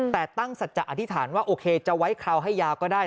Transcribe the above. แต่ตั้งสัจจะอธิษฐานว่าโอเคจะไว้คราวให้ยาวก็ได้